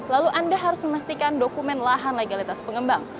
lalu anda harus memastikan dokumen lahan legalitas pengembang